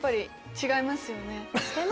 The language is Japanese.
違いますよね。